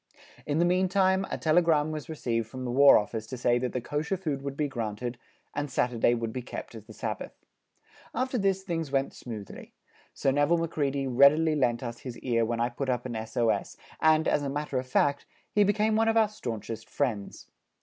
In the meantime a telegram was received from the War Office to say that the Kosher food would be granted, and Saturday would be kept as the Sabbath. After this things went smoothly; Sir Nevil Macready readily lent us his ear when I put up an S.O.S., and, as a matter of fact, he became one of our staunchest friends.